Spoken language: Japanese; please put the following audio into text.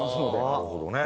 なるほどね。